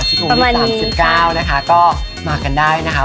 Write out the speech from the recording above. ชื่อหนูเป็น๓๙นะคะก็มากันได้นะคะ